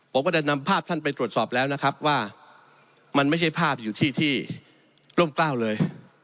และนำภาพท่านไปทดสอบแล้วว่ามันไม่ใช่ภาพที่กล้าวเลย